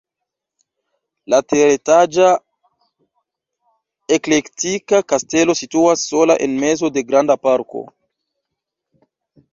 La teretaĝa eklektika kastelo situas sola en mezo de granda parko.